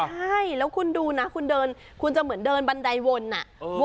ใช่แล้วคุณดูนะคุณเดินคุณจะเหมือนเดินบันไดวนอ่ะ